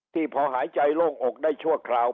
พอหายใจโล่งอกได้ชั่วคราว